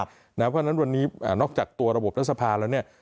เพราะฉะนั้นวันนี้นอกจากตัวระบบรัฐสภาแล้วเนี่ย